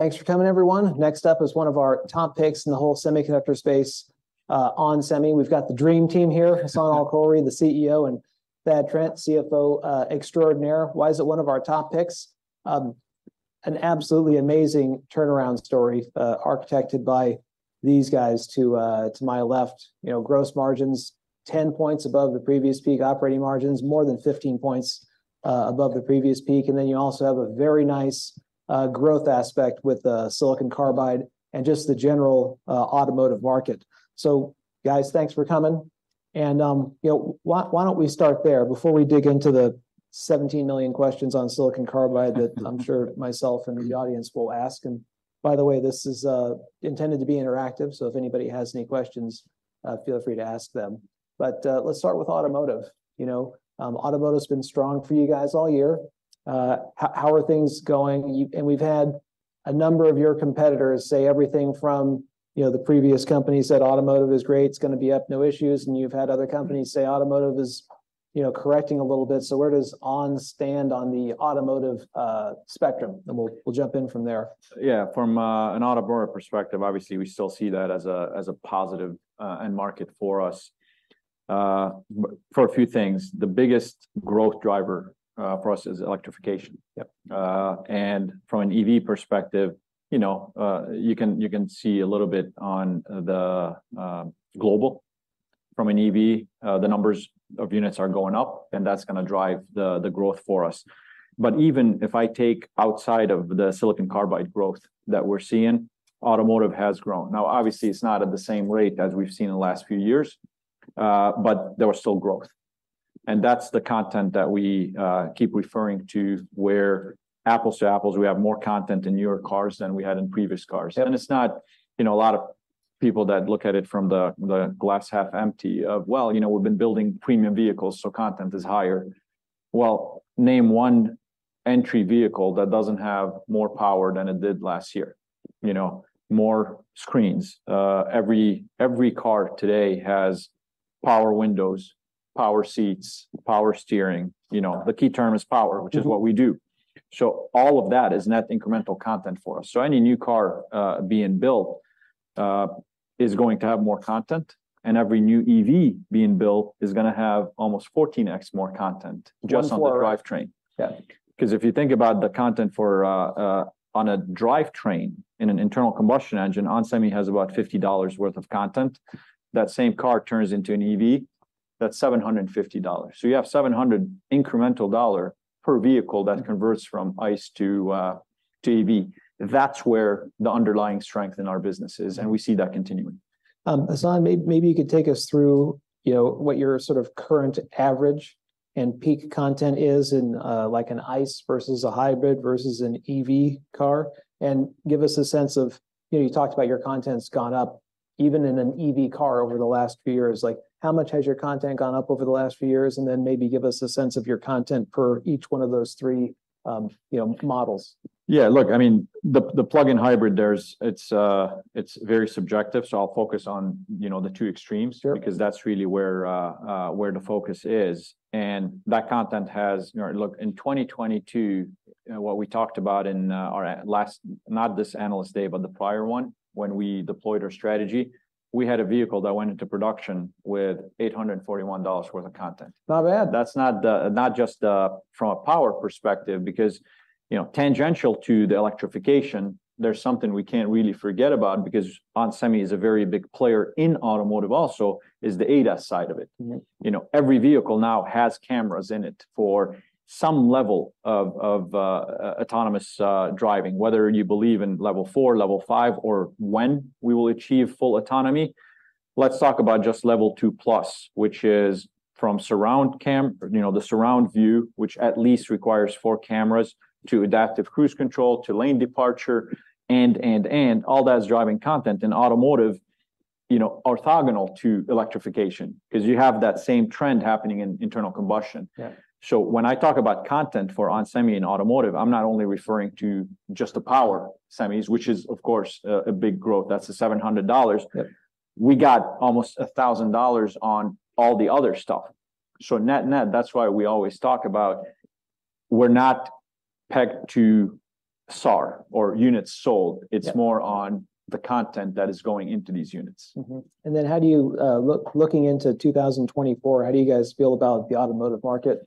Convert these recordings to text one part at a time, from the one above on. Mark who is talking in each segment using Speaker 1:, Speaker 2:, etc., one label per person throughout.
Speaker 1: Thanks for coming, everyone. Next up is one of our top picks in the whole semiconductor space, On Semiconductor. We've got the dream team here, Hassane El-Khoury, the CEO, and Thad Trent, CFO extraordinaire. Why is it one of our top picks? An absolutely amazing turnaround story, architected by these guys to my left. You know, gross margins, 10 points above the previous peak, operating margins more than 15 points above the previous peak. You also have a very nice growth aspect with the silicon carbide and just the general automotive market. Guys, thanks for coming. You know, why don't we start there before we dig into the 17 million questions on silicon carbide that I'm sure myself and the audience will ask? And by the way, this is intended to be interactive, so if anybody has any questions, feel free to ask them. But let's start with automotive. You know, automotive's been strong for you guys all year. How are things going? And we've had a number of your competitors say everything from, you know, the previous company said automotive is great, it's gonna be up, no issues, and you've had other companies say automotive is, you know, correcting a little bit. So where does ON stand on the automotive spectrum? And we'll jump in from there.
Speaker 2: Yeah, from an automotive perspective, obviously we still see that as a positive end market for us, for a few things. The biggest growth driver for us is electrification.
Speaker 1: Yep.
Speaker 2: And from an EV perspective, you know, you can see a little bit on the global. From an EV, the numbers of units are going up, and that's gonna drive the growth for us. But even if I take outside of the silicon carbide growth that we're seeing, automotive has grown. Now, obviously, it's not at the same rate as we've seen in the last few years, but there was still growth. And that's the content that we keep referring to, where apples to apples, we have more content in newer cars than we had in previous cars.
Speaker 1: Yeah.
Speaker 2: It's not, you know, a lot of people that look at it from the glass-half-empty of, "Well, you know, we've been building premium vehicles, so content is higher." Well, name one entry vehicle that doesn't have more power than it did last year. You know, more screens. Every car today has power windows, power seats, power steering. You know, the key term is power-
Speaker 1: Mm-hmm...
Speaker 2: which is what we do. So all of that is net incremental content for us. So any new car, being built, is going to have more content, and every new EV being built is gonna have almost 14x more content just on the drivetrain.
Speaker 1: Yeah.
Speaker 2: Because if you think about the content for on a drivetrain in an internal combustion engine, On Semiconductor has about $50 worth of content. That same car turns into an EV, that's $750. So you have $700 incremental dollar per vehicle that converts from ICE to EV. That's where the underlying strength in our business is, and we see that continuing.
Speaker 1: Hassan, maybe you could take us through, you know, what your sort of current average and peak content is in, like an ICE versus a hybrid versus an EV car, and give us a sense of... You know, you talked about your content's gone up even in an EV car over the last few years. Like, how much has your content gone up over the last few years? And then maybe give us a sense of your content per each one of those three, you know, models.
Speaker 2: Yeah, look, I mean, the plug-in hybrid, it's very subjective, so I'll focus on, you know, the two extremes-
Speaker 1: Sure...
Speaker 2: because that's really where, where the focus is. And that content has, you know, look, in 2022, what we talked about in, our last, not this Analyst Day, but the prior one, when we deployed our strategy, we had a vehicle that went into production with $841 worth of content. Not bad. That's not the, not just, from a power perspective, because, you know, tangential to the electrification, there's something we can't really forget about because ON Semiconductor is a very big player in automotive also, is the ADAS side of it.
Speaker 1: Mm-hmm.
Speaker 2: You know, every vehicle now has cameras in it for some level of autonomous driving. Whether you believe in Level 4, Level 5, or when we will achieve full autonomy, let's talk about just Level 2+, which is from surround cam, you know, the surround view, which at least requires four cameras, to adaptive cruise control, to lane departure, and. All that is driving content in automotive, you know, orthogonal to electrification, because you have that same trend happening in internal combustion.
Speaker 1: Yeah.
Speaker 2: So when I talk about content for ON Semiconductor in automotive, I'm not only referring to just the power semis, which is, of course, a big growth. That's the $700.
Speaker 1: Yeah.
Speaker 2: We got almost $1,000 on all the other stuff. So net net, that's why we always talk about we're not pegged to SAR or units sold-
Speaker 1: Yeah...
Speaker 2: it's more on the content that is going into these units.
Speaker 1: Mm-hmm. And then how do you, looking into 2024, how do you guys feel about the automotive market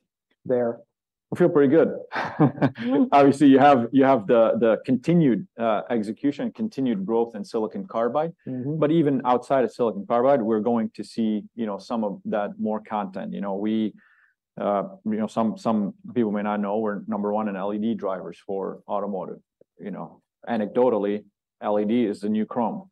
Speaker 1: there?
Speaker 2: We feel pretty good.
Speaker 1: Mm-hmm.
Speaker 2: Obviously, you have the continued execution, continued growth in silicon carbide.
Speaker 1: Mm-hmm.
Speaker 2: But even outside of silicon carbide, we're going to see, you know, some of that more content. You know, we, you know, some people may not know we're number one in LED drivers for automotive. You know, anecdotally, LED is the new chrome,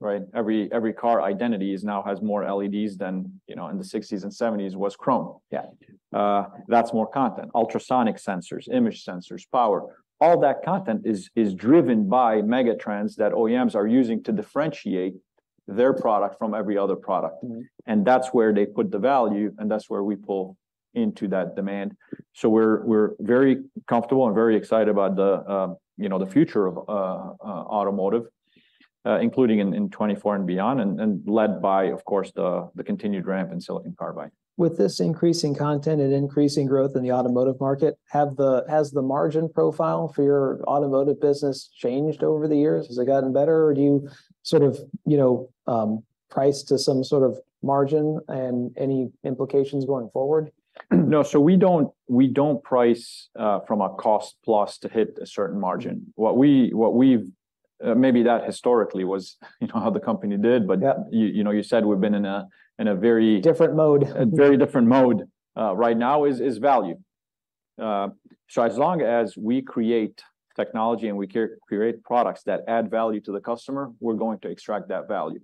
Speaker 2: right? Every car identity is now has more LEDs than, you know, in the 1960s and 1970s was chrome.
Speaker 1: Yeah.
Speaker 2: That's more content. Ultrasonic sensors, image sensors, power, all that content is driven by megatrends that OEMs are using to differentiate their product from every other product.
Speaker 1: Mm-hmm.
Speaker 2: That's where they put the value, and that's where we pull into that demand. So we're very comfortable and very excited about, you know, the future of automotive, including in 2024 and beyond, and led by, of course, the continued ramp in silicon carbide.
Speaker 1: With this increasing content and increasing growth in the automotive market, has the margin profile for your automotive business changed over the years? Has it gotten better, or do you sort of, you know, price to some sort of margin, and any implications going forward?
Speaker 2: No, so we don't, we don't price from a cost plus to hit a certain margin. What we, what we've... Maybe that historically was, you know, how the company did, but-
Speaker 1: Yeah...
Speaker 2: you know, you said we've been in a very-
Speaker 1: Different mode...
Speaker 2: a very different mode. Right now is value. So as long as we create technology and we create products that add value to the customer, we're going to extract that value,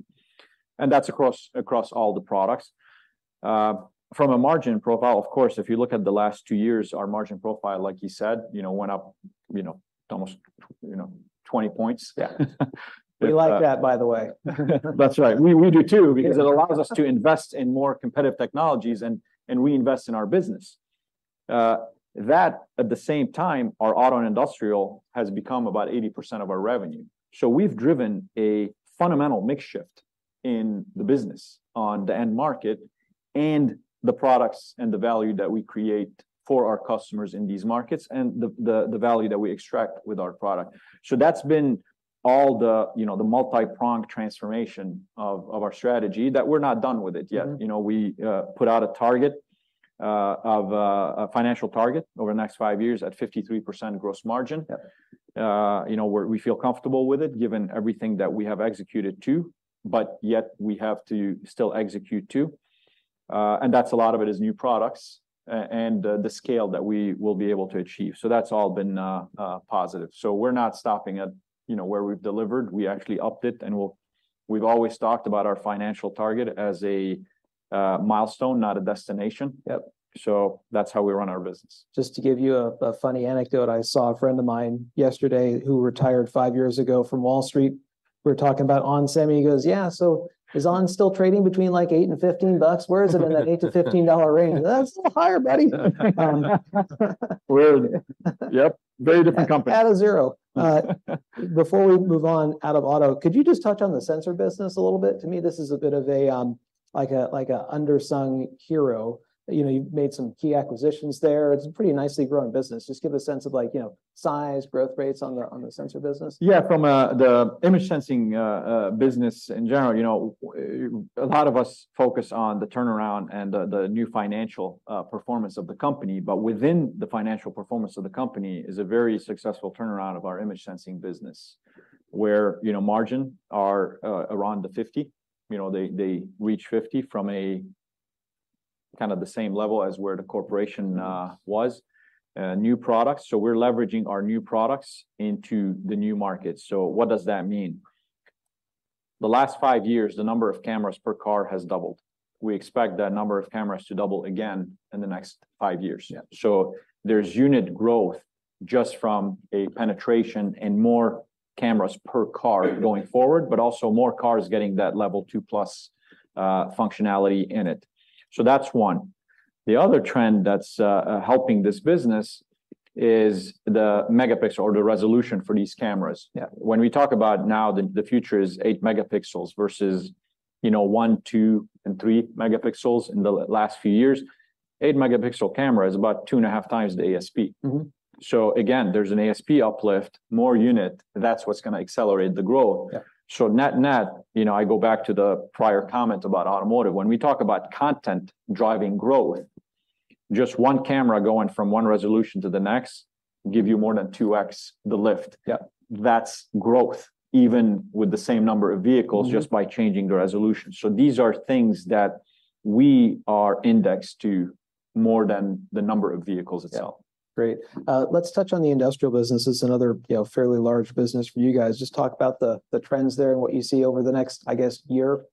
Speaker 2: and that's across all the products. From a margin profile, of course, if you look at the last two years, our margin profile, like you said, you know, went up, you know, almost 20 points.
Speaker 1: Yeah.
Speaker 2: But, uh-
Speaker 1: We like that, by the way.
Speaker 2: That's right. We do too-
Speaker 1: Yeah...
Speaker 2: because it allows us to invest in more competitive technologies, and reinvest in our business. That, at the same time, our auto and industrial has become about 80% of our revenue. So we've driven a fundamental mix shift in the business on the end market, and the products and the value that we create for our customers in these markets, and the value that we extract with our product. So that's been all the, you know, the multi-pronged transformation of our strategy, that we're not done with it yet.
Speaker 1: Mm-hmm.
Speaker 2: You know, we put out a target of a financial target over the next five years at 53% gross margin.
Speaker 1: Yeah.
Speaker 2: You know, we feel comfortable with it, given everything that we have executed to, but yet we have to still execute to. And that's a lot of it is new products and the scale that we will be able to achieve. So that's all been positive. So we're not stopping at, you know, where we've delivered. We actually upped it, and we've always talked about our financial target as a milestone, not a destination.
Speaker 1: Yep.
Speaker 2: That's how we run our business.
Speaker 1: Just to give you a funny anecdote, I saw a friend of mine yesterday who retired five years ago from Wall Street. We were talking about onsemi, and he goes, "Yeah, so is onsemi still trading between, like, $8-$15? Where is it in that $8-$15 range?" "It's still higher, buddy.
Speaker 2: YEP, very different company.
Speaker 1: Add a zero. Before we move on out of auto, could you just touch on the sensor business a little bit? To me, this is a bit of a unsung hero. You know, you've made some key acquisitions there. It's a pretty nicely growing business. Just give a sense of like, you know, size, growth rates on the sensor business.
Speaker 2: Yeah. From the image sensing business in general, you know, a lot of us focus on the turnaround and the new financial performance of the company. But within the financial performance of the company is a very successful turnaround of our image sensing business, where, you know, margins are around the 50%. You know, they, they reach 50% from a kind of the same level as where the corporation was. New products, so we're leveraging our new products into the new market. So what does that mean? The last five years, the number of cameras per car has doubled. We expect that number of cameras to double again in the next five years.
Speaker 1: Yeah.
Speaker 2: So there's unit growth just from a penetration and more cameras per car going forward, but also more cars getting that Level 2+ functionality in it. So that's one. The other trend that's helping this business is the megapixel or the resolution for these cameras.
Speaker 1: Yeah.
Speaker 2: When we talk about now, the future is 8 megapixels versus, you know, 1, 2, and 3 megapixels in the last few years. 8-megapixel camera is about 2.5 times the ASP.
Speaker 1: Mm-hmm.
Speaker 2: So again, there's an ASP uplift, more unit, that's what's gonna accelerate the growth.
Speaker 1: Yeah.
Speaker 2: So net-net, you know, I go back to the prior comment about automotive. When we talk about content driving growth, just one camera going from one resolution to the next give you more than 2x the lift.
Speaker 1: Yeah.
Speaker 2: That's growth, even with the same number of vehicles-
Speaker 1: Mm-hmm...
Speaker 2: just by changing the resolution. So these are things that we are indexed to more than the number of vehicles itself.
Speaker 1: Yeah. Great. Let's touch on the industrial business. This is another, you know, fairly large business for you guys. Just talk about the trends there and what you see over the next, I guess, year,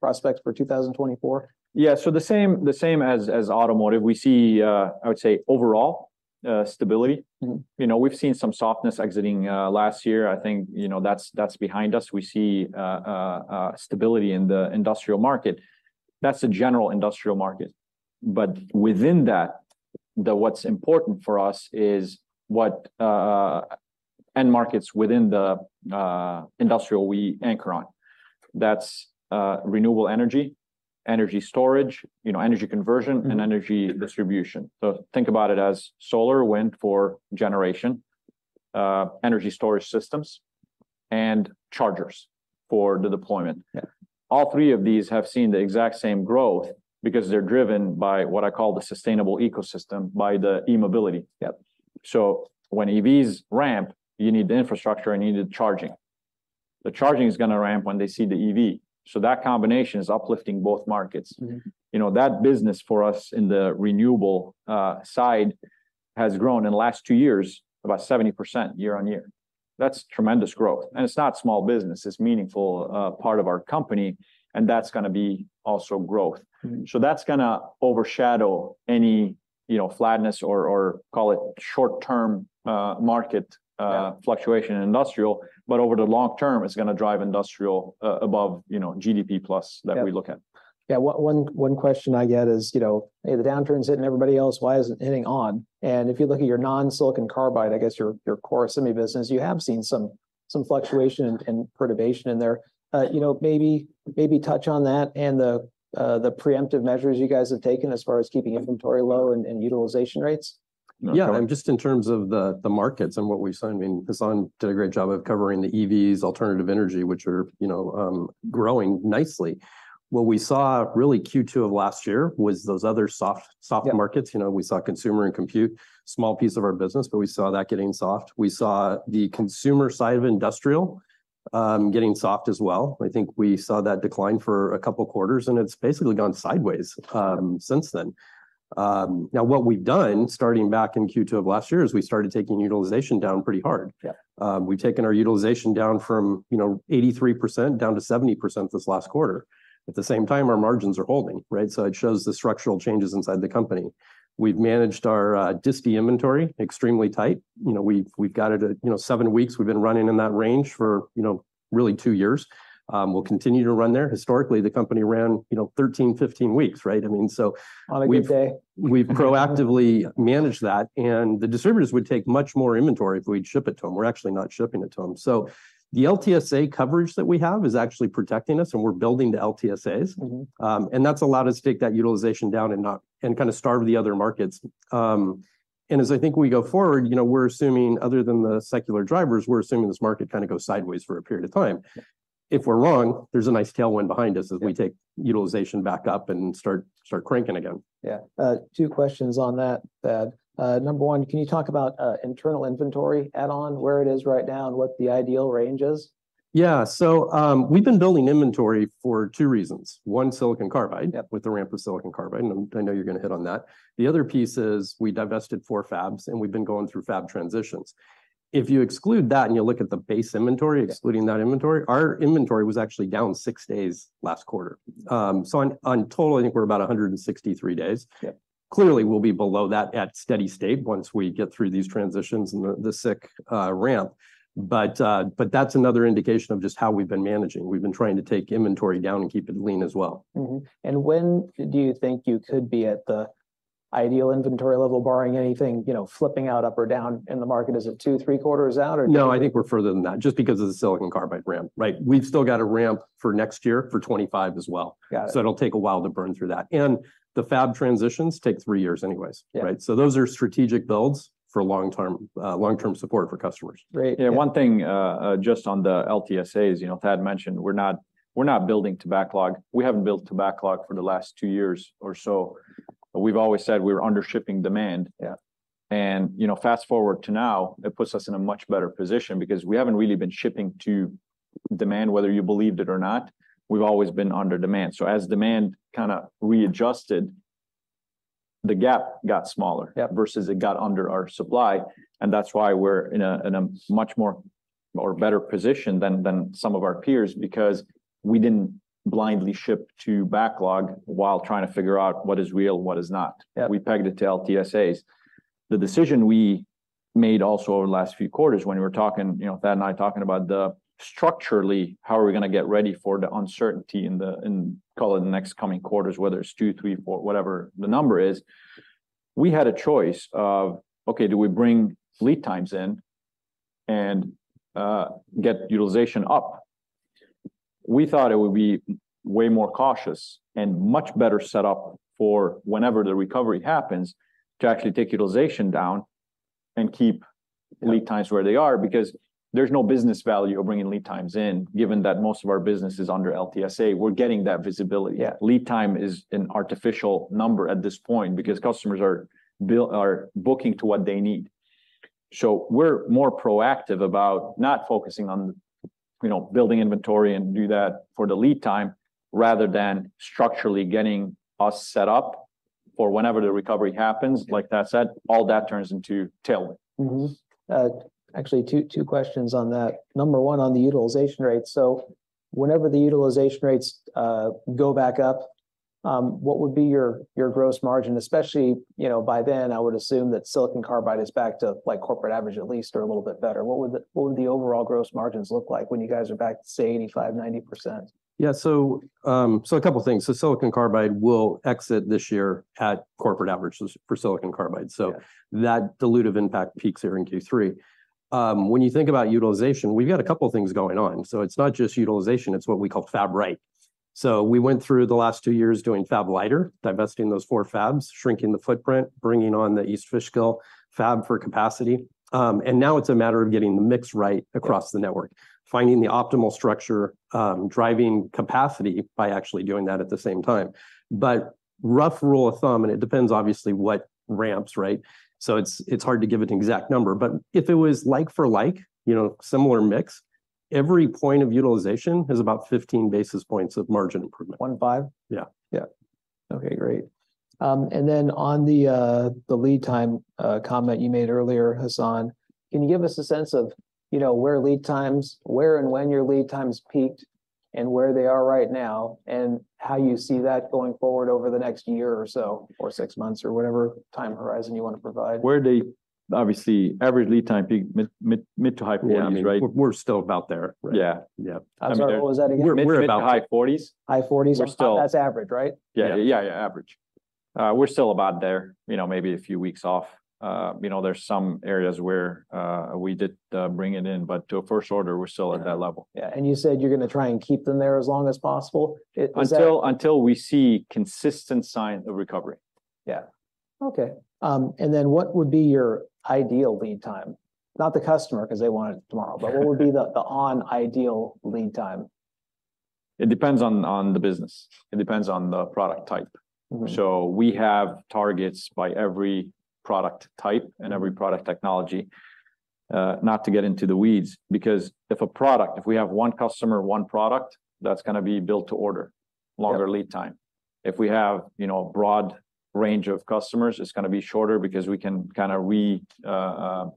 Speaker 1: prospects for 2024.
Speaker 2: Yeah, so the same as automotive. We see, I would say, overall, stability.
Speaker 1: Mm-hmm.
Speaker 2: You know, we've seen some softness exiting last year. I think, you know, that's behind us. We see stability in the industrial market. That's the general industrial market. But within that, what's important for us is what end markets within the industrial we anchor on. That's renewable energy, energy storage, you know, energy conversion-
Speaker 1: Mm-hmm...
Speaker 2: and energy distribution. So think about it as solar, wind for generation, energy storage systems, and chargers for the deployment.
Speaker 1: Yeah.
Speaker 2: All three of these have seen the exact same growth because they're driven by what I call the sustainable ecosystem, by the e-mobility.
Speaker 1: Yep.
Speaker 2: So when EVs ramp, you need the infrastructure and you need the charging. The charging is gonna ramp when they see the EV, so that combination is uplifting both markets.
Speaker 1: Mm-hmm.
Speaker 2: You know, that business for us in the renewable side has grown in the last two years about 70% year-over-year. That's tremendous growth, and it's not small business. It's a meaningful part of our company, and that's gonna be also growth.
Speaker 1: Mm-hmm.
Speaker 2: So that's gonna overshadow any, you know, flatness or, or call it short-term, market,
Speaker 1: Yeah...
Speaker 2: fluctuation in industrial, but over the long term, it's gonna drive industrial above, you know, GDP plus-
Speaker 1: Yep...
Speaker 2: that we look at....
Speaker 1: Yeah, one question I get is, you know, "Hey, the downturn's hitting everybody else, why isn't it hitting ON?" And if you look at your non-silicon carbide, I guess your core semi business, you have seen some fluctuation and perturbation in there. You know, maybe touch on that and the preemptive measures you guys have taken as far as keeping inventory low and utilization rates?
Speaker 3: Yeah, and just in terms of the markets and what we've seen, I mean, Hassane did a great job of covering the EVs, alternative energy, which are, you know, growing nicely. What we saw, really, Q2 of last year was those other soft markets.
Speaker 1: Yeah.
Speaker 3: You know, we saw consumer and compute, small piece of our business, but we saw that getting soft. We saw the consumer side of industrial, getting soft as well. I think we saw that decline for a couple quarters, and it's basically gone sideways, since then. Now what we've done, starting back in Q2 of last year, is we started taking utilization down pretty hard.
Speaker 1: Yeah.
Speaker 3: We've taken our utilization down from, you know, 83% down to 70% this last quarter. At the same time, our margins are holding, right? So it shows the structural changes inside the company. We've managed our disti inventory extremely tight. You know, we've, we've got it at, you know, seven weeks, we've been running in that range for, you know, really two years. We'll continue to run there. Historically, the company ran, you know, 13, 15 weeks, right? I mean, so-
Speaker 1: On a good day....
Speaker 3: we've proactively managed that, and the distributors would take much more inventory if we'd ship it to them. We're actually not shipping it to them. So the LTSA coverage that we have is actually protecting us, and we're building the LTSAs.
Speaker 1: Mm-hmm.
Speaker 3: That's allowed us to take that utilization down and not... and kind of starve the other markets. As I think we go forward, you know, we're assuming, other than the secular drivers, we're assuming this market kind of goes sideways for a period of time. If we're wrong, there's a nice tailwind behind us-
Speaker 1: Yeah...
Speaker 3: as we take utilization back up and start cranking again.
Speaker 1: Yeah. Two questions on that, Thad. Number one, can you talk about internal inventory at ON, where it is right now and what the ideal range is?
Speaker 3: Yeah. So, we've been building inventory for two reasons: one, silicon carbide-
Speaker 1: Yeah...
Speaker 3: with the ramp of silicon carbide, and I know you're gonna hit on that. The other piece is we divested four fabs, and we've been going through fab transitions. If you exclude that and you look at the base inventory-
Speaker 1: Yeah
Speaker 3: ...excluding that inventory, our inventory was actually down 6 days last quarter. So on total, I think we're about 163 days.
Speaker 1: Yeah.
Speaker 3: Clearly, we'll be below that at steady state once we get through these transitions and the SiC ramp. But, but that's another indication of just how we've been managing. We've been trying to take inventory down and keep it lean as well.
Speaker 1: Mm-hmm. When do you think you could be at the ideal inventory level, barring anything, you know, flipping out up or down in the market? Is it 2, 3 quarters out, or-
Speaker 3: No, I think we're further than that, just because of the silicon carbide ramp, right? We've still got a ramp for next year, for 2025 as well.
Speaker 1: Got it.
Speaker 3: It'll take a while to burn through that. The fab transitions take three years anyways.
Speaker 1: Yeah.
Speaker 3: Right? So those are strategic builds for long-term, long-term support for customers.
Speaker 1: Great.
Speaker 2: Yeah, one thing, just on the LTSAs, you know, Thad mentioned, we're not, we're not building to backlog. We haven't built to backlog for the last two years or so. We've always said we're under shipping demand.
Speaker 1: Yeah.
Speaker 2: You know, fast-forward to now, it puts us in a much better position because we haven't really been shipping to demand. Whether you believed it or not, we've always been under demand. So as demand kind of readjusted, the gap got smaller-
Speaker 1: Yeah...
Speaker 2: versus it got under our supply, and that's why we're in a much more or better position than some of our peers, because we didn't blindly ship to backlog while trying to figure out what is real, what is not.
Speaker 1: Yeah.
Speaker 2: We pegged it to LTSAs. The decision we made also over the last few quarters when we were talking, you know, Thad and I talking about the structurally, how are we gonna get ready for the uncertainty in the, in call it, the next coming quarters, whether it's two, three, four, whatever the number is, we had a choice of, okay, do we bring lead times in and get utilization up? We thought it would be way more cautious and much better set up for whenever the recovery happens, to actually take utilization down and keep lead times where they are, because there's no business value of bringing lead times in, given that most of our business is under LTSA. We're getting that visibility.
Speaker 1: Yeah.
Speaker 2: Lead time is an artificial number at this point, because customers are booking to what they need. So we're more proactive about not focusing on, you know, building inventory and do that for the lead time, rather than structurally getting us set up for whenever the recovery happens.
Speaker 1: Yeah.
Speaker 2: Like Thad said, all that turns into tailwind.
Speaker 1: Mm-hmm. Actually, two, two questions on that. Number 1, on the utilization rate: so whenever the utilization rates go back up, what would be your, your gross margin? Especially, you know, by then, I would assume that silicon carbide is back to, like, corporate average at least, or a little bit better. What would the, what would the overall gross margins look like when you guys are back to, say, 85%-90%?
Speaker 3: Yeah. So, so a couple things. So silicon carbide will exit this year at corporate average for silicon carbide.
Speaker 1: Yeah.
Speaker 3: So that dilutive impact peaks here in Q3. When you think about utilization, we've got a couple things going on. So it's not just utilization, it's what we call Fab Right. So we went through the last two years doing Fab Liter, divesting those four fabs, shrinking the footprint, bringing on the East Fishkill fab for capacity, and now it's a matter of getting the mix right-
Speaker 1: Yeah...
Speaker 3: across the network, finding the optimal structure, driving capacity by actually doing that at the same time. But rough rule of thumb, and it depends, obviously, what ramps, right? So it's, it's hard to give an exact number, but if it was like for like, you know, similar mix, every point of utilization is about 15 basis points of margin improvement.
Speaker 1: One in five?
Speaker 3: Yeah.
Speaker 1: Yeah. Okay, great. And then on the lead time comment you made earlier, Hassan, can you give us a sense of, you know, where lead times, where and when your lead times peaked, and where they are right now, and how you see that going forward over the next year or so, or six months, or whatever time horizon you wanna provide?
Speaker 2: Where the obviously average lead time peak mid- to high 40s, right?
Speaker 3: Yeah, I mean, we're still about there.
Speaker 2: Yeah. Yeah.
Speaker 1: I'm sorry, what was that again?
Speaker 2: We're about high 40s.
Speaker 1: High 40s?
Speaker 2: We're still-
Speaker 1: That's average, right?
Speaker 2: Yeah.
Speaker 3: Yeah.
Speaker 2: Yeah, yeah, average.... we're still about there, you know, maybe a few weeks off. You know, there's some areas where we did bring it in, but to a first order, we're still at that level.
Speaker 1: Yeah, and you said you're gonna try and keep them there as long as possible? Is that-
Speaker 2: Until we see consistent sign of recovery. Yeah.
Speaker 1: Okay. And then what would be your ideal lead time? Not the customer, 'cause they want it tomorrow, but what would be the, the ON ideal lead time?
Speaker 2: It depends on the business. It depends on the product type.
Speaker 1: Mm-hmm.
Speaker 2: So we have targets by every product type and every product technology. Not to get into the weeds, because if we have one customer, one product, that's gonna be built to order-
Speaker 1: Yeah...
Speaker 2: longer lead time. If we have, you know, a broad range of customers, it's gonna be shorter because we can kind of repurpose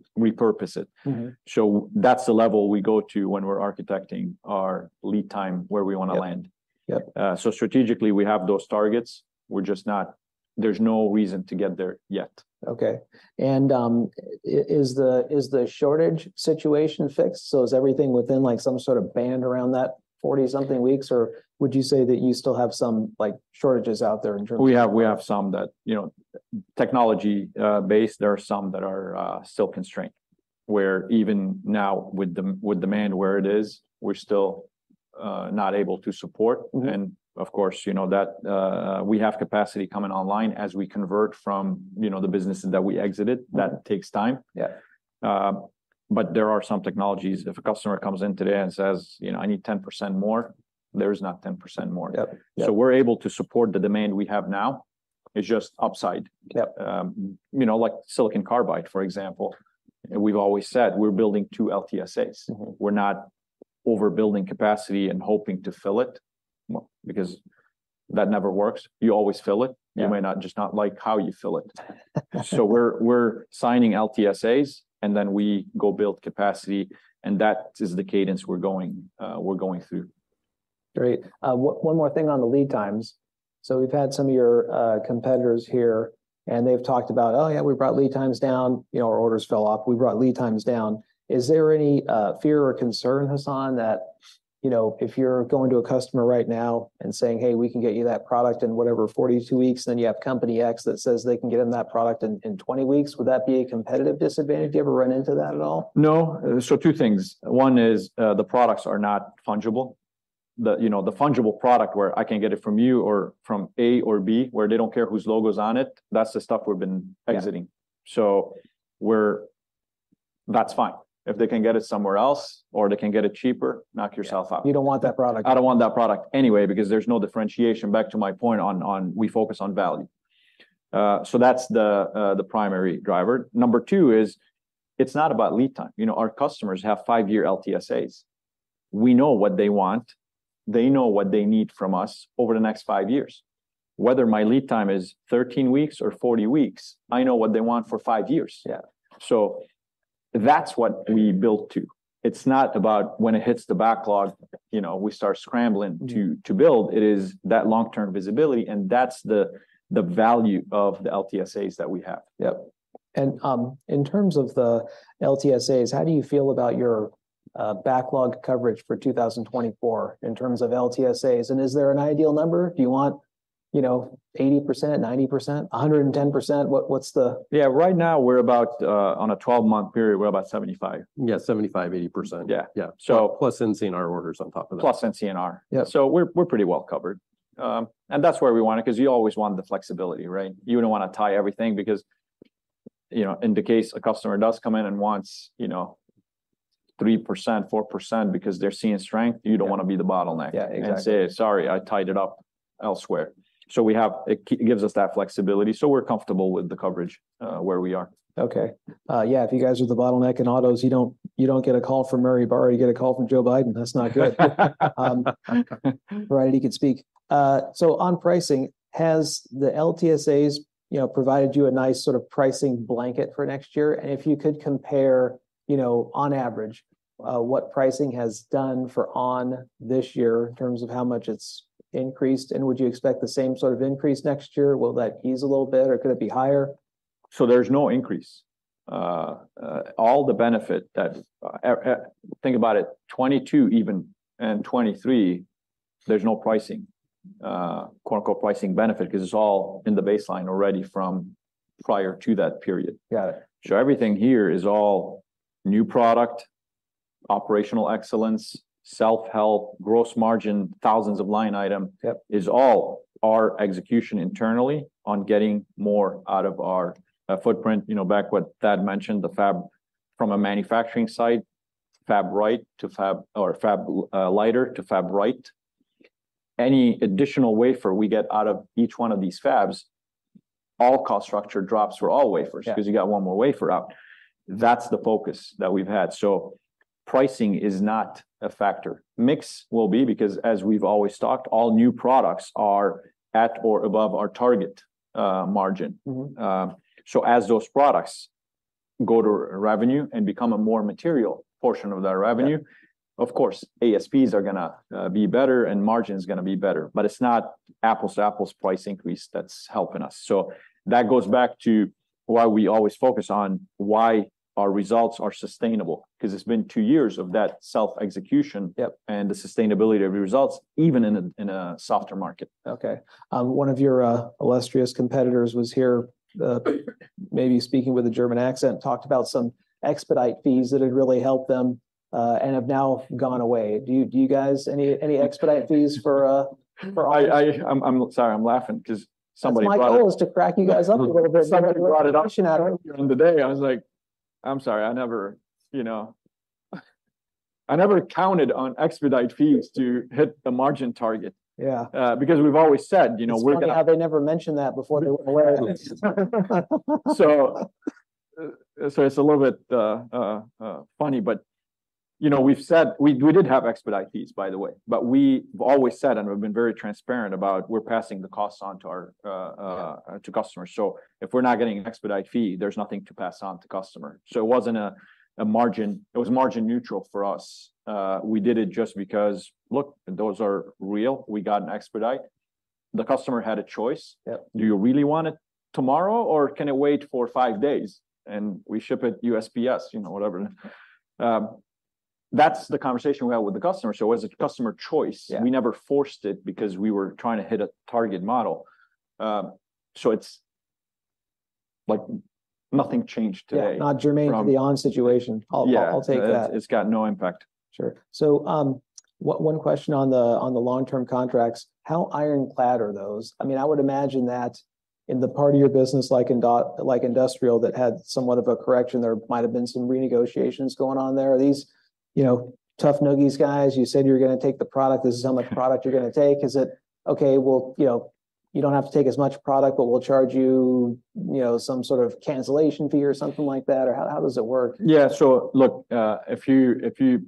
Speaker 2: it.
Speaker 1: Mm-hmm.
Speaker 2: That's the level we go to when we're architecting our lead time, where we wanna land.
Speaker 1: Yep. Yep.
Speaker 2: So strategically, we have those targets. We're just not... There's no reason to get there yet.
Speaker 1: Okay. And, is the shortage situation fixed? So is everything within, like, some sort of band around that 40-something weeks, or would you say that you still have some, like, shortages out there in terms of-
Speaker 2: We have some that, you know, technology based, there are some that are still constrained, where even now with demand where it is, we're still not able to support.
Speaker 1: Mm-hmm.
Speaker 2: Of course, you know, that we have capacity coming online as we convert from, you know, the businesses that we exited.
Speaker 1: Mm.
Speaker 2: That takes time.
Speaker 1: Yeah.
Speaker 2: But there are some technologies, if a customer comes in today and says, "You know, I need 10% more," there's not 10% more.
Speaker 1: Yep. Yep.
Speaker 2: We're able to support the demand we have now. It's just upside.
Speaker 1: Yep.
Speaker 2: You know, like silicon carbide, for example, we've always said we're building two LTSAs.
Speaker 1: Mm-hmm.
Speaker 2: We're not overbuilding capacity and hoping to fill it, because that never works. You always fill it-
Speaker 1: Yeah...
Speaker 2: you may not just not like how you fill it. So we're signing LTSAs, and then we go build capacity, and that is the cadence we're going through.
Speaker 1: Great. One more thing on the lead times. So we've had some of your competitors here, and they've talked about, "Oh, yeah, we brought lead times down. You know, our orders fell off. We brought lead times down." Is there any fear or concern, Hassan, that, you know, if you're going to a customer right now and saying, "Hey, we can get you that product in whatever, 42 weeks," then you have Company X that says they can get them that product in 20 weeks, would that be a competitive disadvantage? Do you ever run into that at all?
Speaker 2: No. So two things. One is, the products are not fungible. The, you know, the fungible product where I can get it from you or from A or B, where they don't care whose logo's on it, that's the stuff we've been exiting.
Speaker 1: Yeah.
Speaker 2: That's fine. If they can get it somewhere else or they can get it cheaper, knock yourself out.
Speaker 1: Yeah. You don't want that product.
Speaker 2: I don't want that product anyway because there's no differentiation, back to my point on we focus on value. So that's the primary driver. Number two is, it's not about lead time. You know, our customers have five-year LTSAs. We know what they want. They know what they need from us over the next five years. Whether my lead time is 13 weeks or 40 weeks, I know what they want for five years.
Speaker 1: Yeah.
Speaker 2: So that's what we build to. It's not about when it hits the backlog, you know, we start scrambling-
Speaker 1: Mm...
Speaker 2: to build. It is that long-term visibility, and that's the value of the LTSAs that we have.
Speaker 1: Yep. And, in terms of the LTSAs, how do you feel about your, backlog coverage for 2024 in terms of LTSAs, and is there an ideal number? Do you want, you know, 80%, 90%, 110%? What, what's the-
Speaker 2: Yeah, right now we're about on a 12-month period, we're about 75.
Speaker 1: Yeah, 75%-80%.
Speaker 2: Yeah.
Speaker 1: Yeah.
Speaker 2: So-
Speaker 1: Plus NCNR orders on top of that.
Speaker 2: Plus NCNR.
Speaker 1: Yeah.
Speaker 2: So we're pretty well covered. And that's where we want it, 'cause you always want the flexibility, right? You don't wanna tie everything because, you know, in the case a customer does come in and wants, you know, 3%, 4% because they're seeing strength, you don't wanna be the bottleneck-
Speaker 1: Yeah, exactly...
Speaker 2: and say, "Sorry, I tied it up elsewhere." So we have... It gives us that flexibility, so we're comfortable with the coverage where we are.
Speaker 1: Okay. Yeah, if you guys are the bottleneck in autos, you don't, you don't get a call from Mary Barra, you get a call from Joe Biden. That's not good. Provided he could speak. So on pricing, has the LTSAs, you know, provided you a nice sort of pricing blanket for next year? And if you could compare, you know, on average, what pricing has done for ON this year in terms of how much it's increased, and would you expect the same sort of increase next year? Will that ease a little bit, or could it be higher?
Speaker 2: So there's no increase. All the benefit that... Think about it, 2022 even and 2023, there's no pricing, quote, unquote, "pricing benefit" 'cause it's all in the baseline already from prior to that period.
Speaker 1: Got it.
Speaker 2: Everything here is all new product, operational excellence, self-help, gross margin, thousands of line item-
Speaker 1: Yep...
Speaker 2: is all our execution internally on getting more out of our footprint. You know, back what Thad mentioned, the Fab from a manufacturing site, Fab Right to Fab... or Fab Liter to Fab Right. Any additional wafer we get out of each one of these fabs, all cost structure drops for all wafers-
Speaker 1: Yeah...
Speaker 2: 'cause you got one more wafer out. That's the focus that we've had. So pricing is not a factor. Mix will be, because as we've always talked, all new products are at or above our target margin.
Speaker 1: Mm-hmm.
Speaker 2: So as those products go to revenue and become a more material portion of that revenue-
Speaker 1: Yeah...
Speaker 2: of course, ASPs are gonna be better and margin's gonna be better, but it's not apples to apples price increase that's helping us. That goes back to why we always focus on why our results are sustainable, 'cause it's been two years of that self-execution-
Speaker 1: Yep.
Speaker 2: and the sustainability of the results, even in a, in a softer market.
Speaker 1: Okay. One of your illustrious competitors was here, maybe speaking with a German accent, talked about some expedite fees that had really helped them, and have now gone away. Do you guys... Any expedite fees for, for-
Speaker 2: Sorry, I'm laughing 'cause somebody brought up-
Speaker 1: That's my goal, is to crack you guys up a little bit-
Speaker 2: Somebody brought it up-
Speaker 1: At the beginning of the day....
Speaker 2: earlier in the day. I was like, "I'm sorry, I never, you know, I never counted on expedite fees to hit the margin target.
Speaker 1: Yeah.
Speaker 2: Because we've always said, you know, we're gonna-
Speaker 1: It's funny how they never mentioned that before they went away.
Speaker 2: So, it's a little bit funny, but, you know, we've said... We did have expedite fees, by the way, but we've always said, and we've been very transparent about, we're passing the costs on to our-
Speaker 1: Yeah
Speaker 2: To customers. So if we're not getting an expedite fee, there's nothing to pass on to customer. So it wasn't a margin... It was margin neutral for us. We did it just because, look, those are real, we got an expedite. The customer had a choice.
Speaker 1: Yep.
Speaker 2: Do you really want it tomorrow, or can it wait for five days, and we ship it USPS?" You know, whatever. That's the conversation we had with the customer, so it was a customer choice.
Speaker 1: Yeah.
Speaker 2: We never forced it because we were trying to hit a target model. So it's like nothing changed today-
Speaker 1: Yeah, not germane to the ON situation.
Speaker 2: Um, yeah.
Speaker 1: I'll take that.
Speaker 2: It's got no impact.
Speaker 1: Sure. So, one question on the long-term contracts, how ironclad are those? I mean, I would imagine that in the part of your business, like industrial, that had somewhat of a correction, there might have been some renegotiations going on there. Are these, you know, tough noogies, guys, you said you were gonna take the product, this is how much product you're gonna take? Is it, "Okay, well, you know, you don't have to take as much product, but we'll charge you, you know, some sort of cancellation fee," or something like that? Or how does it work?
Speaker 2: Yeah. So look, if you, if you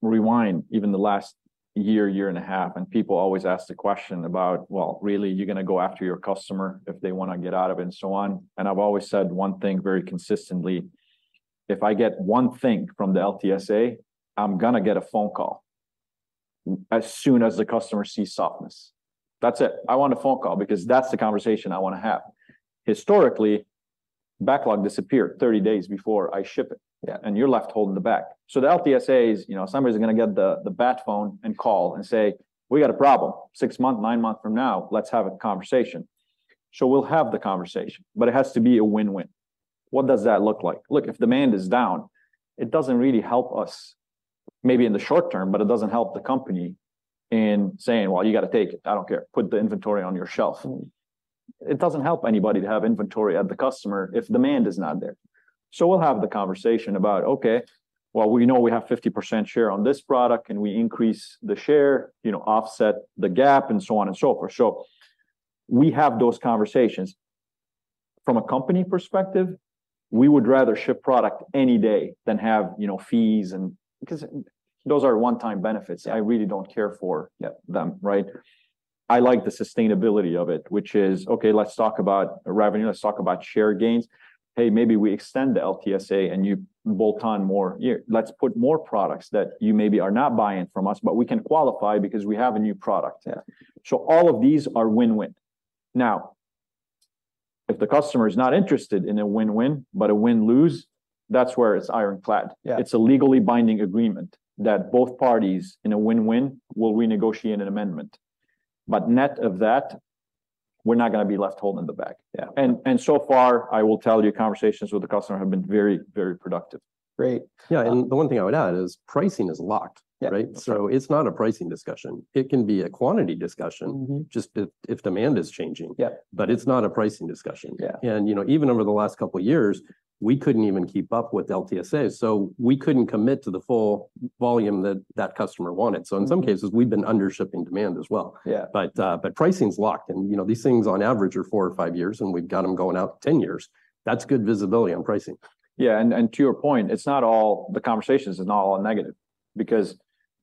Speaker 2: rewind even the last year, year and a half, and people always ask the question about, "Well, really, you're gonna go after your customer if they wanna get out of it," and so on. And I've always said one thing very consistently, "If I get one thing from the LTSA, I'm gonna get a phone call as soon as the customer sees softness." That's it. I want a phone call because that's the conversation I wanna have. Historically, backlog disappeared 30 days before I ship it-
Speaker 1: Yeah...
Speaker 2: and you're left holding the bag. So the LTSAs, you know, somebody's gonna get the bat phone and call and say, "We got a problem. Six months, nine months from now, let's have a conversation." So we'll have the conversation, but it has to be a win-win. What does that look like? Look, if demand is down, it doesn't really help us, maybe in the short term, but it doesn't help the company in saying, "Well, you gotta take it. I don't care. Put the inventory on your shelf.
Speaker 1: Mm.
Speaker 2: It doesn't help anybody to have inventory at the customer if demand is not there. So we'll have the conversation about, "Okay, well, we know we have 50% share on this product. Can we increase the share, you know, offset the gap?" And so on and so forth. So we have those conversations. From a company perspective, we would rather ship product any day than have, you know, fees and... Because those are one-time benefits.
Speaker 1: Yeah.
Speaker 2: I really don't care for-
Speaker 1: Yep...
Speaker 2: them, right? I like the sustainability of it, which is, "Okay, let's talk about revenue, let's talk about share gains. Hey, maybe we extend the LTSA, and you bolt on more. Here, let's put more products that you maybe are not buying from us, but we can qualify because we have a new product.
Speaker 1: Yeah.
Speaker 2: All of these are win-win. Now, if the customer is not interested in a win-win but a win-lose, that's where it's ironclad.
Speaker 1: Yeah.
Speaker 2: It's a legally binding agreement that both parties, in a win-win, will renegotiate an amendment. Net of that, we're not gonna be left holding the bag.
Speaker 1: Yeah.
Speaker 2: And so far, I will tell you, conversations with the customer have been very, very productive.
Speaker 1: Great.
Speaker 3: Yeah, and the one thing I would add is pricing is locked-
Speaker 1: Yeah...
Speaker 3: right? So it's not a pricing discussion. It can be a quantity discussion-
Speaker 1: Mm-hmm...
Speaker 3: just if demand is changing.
Speaker 1: Yeah.
Speaker 3: But it's not a pricing discussion.
Speaker 1: Yeah.
Speaker 3: You know, even over the last couple of years, we couldn't even keep up with LTSAs, so we couldn't commit to the full volume that that customer wanted. So in some cases, we've been under-shipping demand as well.
Speaker 1: Yeah.
Speaker 3: But pricing's locked, and, you know, these things, on average, are 4 or 5 years, and we've got them going out 10 years. That's good visibility on pricing.
Speaker 2: Yeah, and to your point, it's not all the conversations are not all negative because,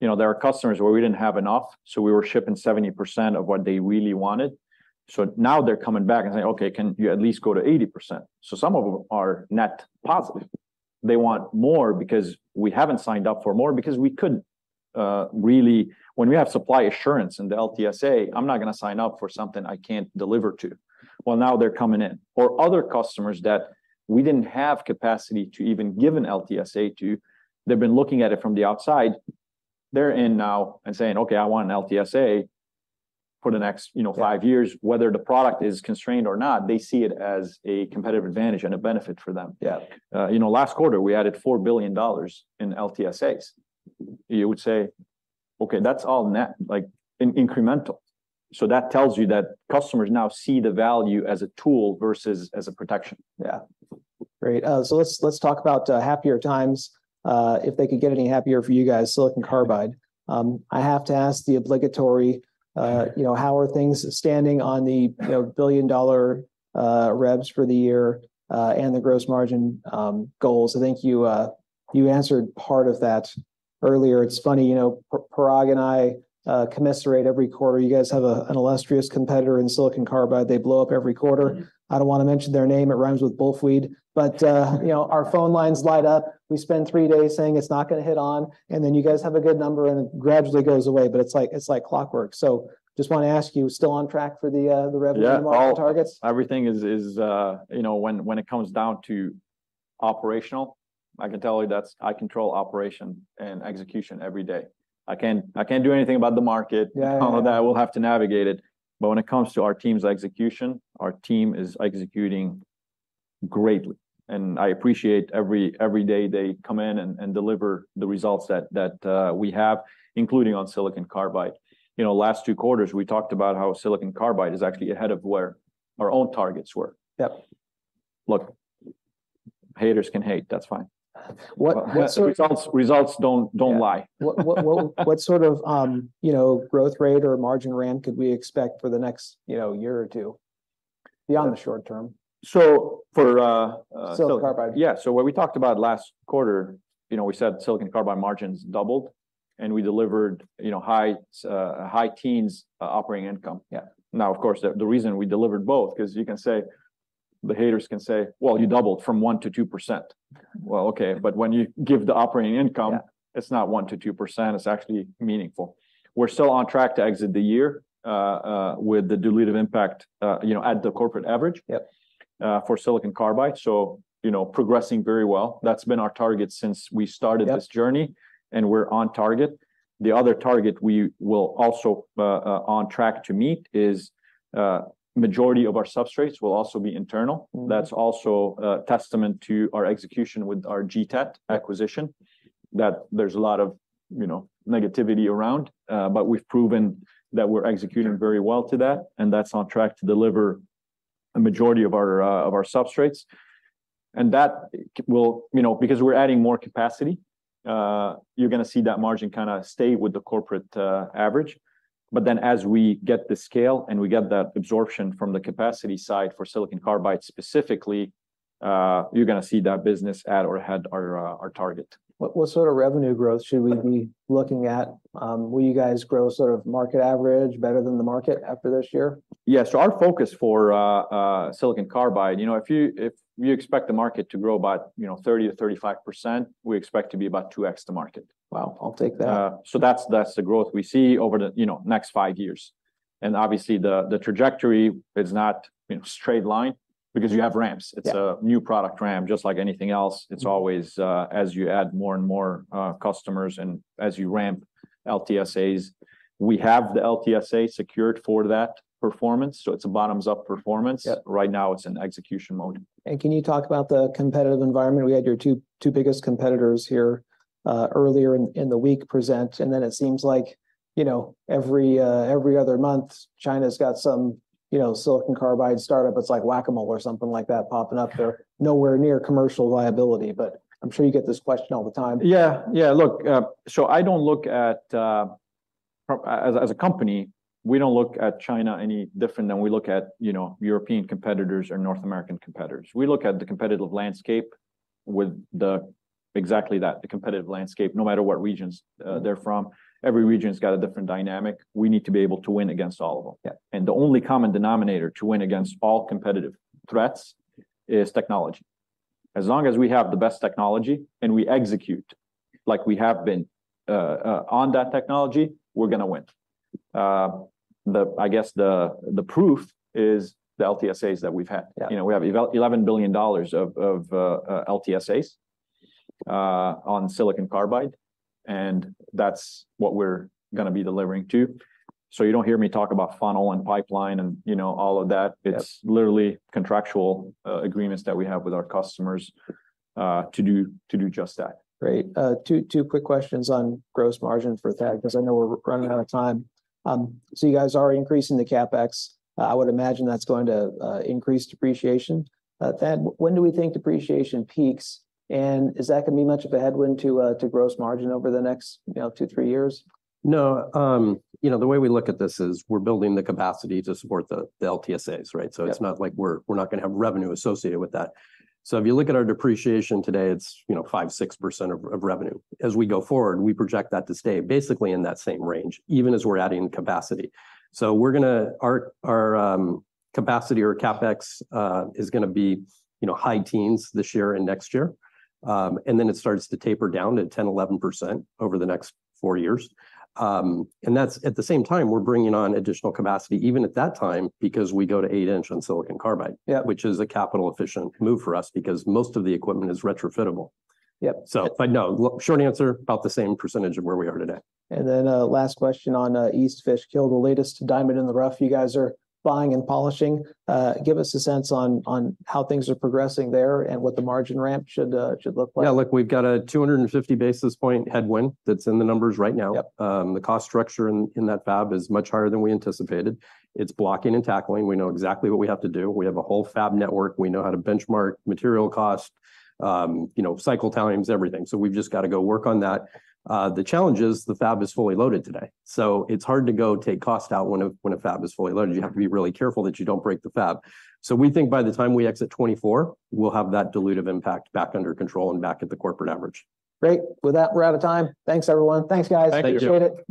Speaker 2: you know, there are customers where we didn't have enough, so we were shipping 70% of what they really wanted. So now they're coming back and saying, "Okay, can you at least go to 80%?" So some of them are net positive. They want more because we haven't signed up for more, because we couldn't really... When we have supply assurance in the LTSA, I'm not gonna sign up for something I can't deliver to. Well, now they're coming in. Or other customers that we didn't have capacity to even give an LTSA to, they've been looking at it from the outside. They're in now and saying, "Okay, I want an LTSA for the next, you know, five years.
Speaker 1: Yeah.
Speaker 2: Whether the product is constrained or not, they see it as a competitive advantage and a benefit for them.
Speaker 1: Yeah.
Speaker 2: You know, last quarter, we added $4 billion in LTSAs. You would say, "Okay, that's all net, like, incremental." So that tells you that customers now see the value as a tool versus as a protection.
Speaker 1: Yeah. Great. So let's, let's talk about happier times, if they could get any happier for you guys, silicon carbide. I have to ask the obligatory, you know, how are things standing on the, you know, billion-dollar revs for the year, and the gross margin goals? I think you, you answered part of that earlier. It's funny, you know, Parag and I, commiserate every quarter. You guys have a, an illustrious competitor in silicon carbide. They blow up every quarter. I don't wanna mention their name, it rhymes with bullweed. But, you know, our phone lines light up. We spend three days saying it's not gonna hit on, and then you guys have a good number, and it gradually goes away, but it's like, it's like clockwork. So just wanna ask you, still on track for the revenue-
Speaker 2: Yeah...
Speaker 1: margin targets?
Speaker 2: Everything is, you know, when it comes down to operational. I can tell you that's. I control operation and execution every day. I can't do anything about the market-
Speaker 1: Yeah, yeah.
Speaker 2: I know that we'll have to navigate it, but when it comes to our team's execution, our team is executing greatly, and I appreciate every day they come in and deliver the results that we have, including on silicon carbide. You know, last two quarters, we talked about how silicon carbide is actually ahead of where our own targets were.
Speaker 1: Yep.
Speaker 2: Look, haters can hate, that's fine.
Speaker 1: What sort of-
Speaker 2: Results don't lie.
Speaker 1: Yeah. What sort of, you know, growth rate or margin ramp could we expect for the next, you know, year or two, beyond the short term?
Speaker 2: For
Speaker 1: silicon carbide.
Speaker 2: Yeah. So what we talked about last quarter, you know, we said silicon carbide margins doubled, and we delivered, you know, high teens operating income.
Speaker 1: Yeah.
Speaker 2: Now, of course, the reason we delivered both, 'cause you can say, the haters can say, "Well, you doubled from 1%-2%." Well, okay, but when you give the operating income-
Speaker 1: Yeah...
Speaker 2: it's not 1%-2%, it's actually meaningful. We're still on track to exit the year, with the dilutive impact, you know, at the corporate average-
Speaker 1: Yep...
Speaker 2: for silicon carbide, so, you know, progressing very well. That's been our target since we started this journey-
Speaker 1: Yep...
Speaker 2: and we're on target. The other target we will also on track to meet is majority of our substrates will also be internal.
Speaker 1: Mm.
Speaker 2: That's also a testament to our execution with our GTAT acquisition, that there's a lot of, you know, negativity around, but we've proven that we're executing very well to that, and that's on track to deliver a majority of our, of our substrates. And that will, you know, because we're adding more capacity, you're gonna see that margin kind of stay with the corporate, average. But then as we get the scale and we get that absorption from the capacity side for silicon carbide specifically, you're gonna see that business at or ahead our, our target.
Speaker 1: What sort of revenue growth should we-
Speaker 2: Yeah...
Speaker 1: be looking at? Will you guys grow sort of market average, better than the market after this year?
Speaker 2: Yeah, so our focus for silicon carbide, you know, if you expect the market to grow by, you know, 30%-35%, we expect to be about 2x the market.
Speaker 1: Wow, I'll take that.
Speaker 2: So that's, that's the growth we see over the, you know, next five years. Obviously the trajectory is not, you know, straight line because you have ramps.
Speaker 1: Yeah.
Speaker 2: It's a new product ramp, just like anything else.
Speaker 1: Mm.
Speaker 2: It's always, as you add more and more customers and as you ramp LTSAs. We have the LTSA secured for that performance, so it's a bottoms-up performance.
Speaker 1: Yep.
Speaker 2: Right now, it's in execution mode.
Speaker 1: Can you talk about the competitive environment? We had your two biggest competitors here earlier in the week present, and then it seems like, you know, every other month, China's got some, you know, silicon carbide startup. It's like Whack-A-Mole or something like that popping up. They're nowhere near commercial viability, but I'm sure you get this question all the time.
Speaker 2: Yeah, yeah. Look, so I don't look at... As a company, we don't look at China any different than we look at, you know, European competitors or North American competitors. We look at the competitive landscape with the, exactly that, the competitive landscape, no matter what regions they're from.
Speaker 1: Mm.
Speaker 2: Every region's got a different dynamic. We need to be able to win against all of them.
Speaker 1: Yeah.
Speaker 2: And the only common denominator to win against all competitive threats is technology. As long as we have the best technology and we execute like we have been on that technology, we're gonna win. I guess the proof is the LTSAs that we've had.
Speaker 1: Yeah.
Speaker 2: You know, we have $11 billion of LTSAs on silicon carbide, and that's what we're gonna be delivering to. So you don't hear me talk about funnel and pipeline and, you know, all of that.
Speaker 1: Yep.
Speaker 2: It's literally contractual agreements that we have with our customers to do just that.
Speaker 1: Great. Two quick questions on gross margin for Thad-
Speaker 2: Yeah...
Speaker 1: 'cause I know we're running out of time. So you guys are increasing the CapEx. I would imagine that's going to increase depreciation. Thad, when do we think depreciation peaks, and is that gonna be much of a headwind to gross margin over the next, you know, two, three years?
Speaker 3: No, you know, the way we look at this is we're building the capacity to support the LTSAs, right?
Speaker 1: Yeah.
Speaker 3: So it's not like we're not gonna have revenue associated with that. So if you look at our depreciation today, it's, you know, 5%-6% of revenue. As we go forward, we project that to stay basically in that same range, even as we're adding capacity. So we're gonna... Our capacity or CapEx is gonna be, you know, high teens this year and next year. And then it starts to taper down to 10%-11% over the next four years. And that's, at the same time, we're bringing on additional capacity, even at that time, because we go to 8-inch on silicon carbide-
Speaker 1: Yeah...
Speaker 3: which is a capital-efficient move for us because most of the equipment is retrofittable.
Speaker 1: Yep.
Speaker 3: So, but no. Short answer, about the same percentage of where we are today.
Speaker 1: Then, last question on East Fishkill, the latest diamond in the rough you guys are buying and polishing. Give us a sense on how things are progressing there and what the margin ramp should look like.
Speaker 3: Yeah, look, we've got a 250 basis points headwind that's in the numbers right now.
Speaker 1: Yep.
Speaker 3: The cost structure in that fab is much higher than we anticipated. It's blocking and tackling. We know exactly what we have to do. We have a whole fab network. We know how to benchmark material cost, you know, cycle times, everything. So we've just got to go work on that. The challenge is, the fab is fully loaded today, so it's hard to go take cost out when a fab is fully loaded.
Speaker 1: Mm.
Speaker 3: You have to be really careful that you don't break the fab. So we think by the time we exit 2024, we'll have that dilutive impact back under control and back at the corporate average.
Speaker 1: Great. With that, we're out of time. Thanks, everyone. Thanks, guys.
Speaker 2: Thank you.
Speaker 3: Thank you.
Speaker 1: Appreciate it.